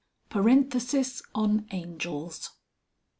PARENTHESIS ON ANGELS.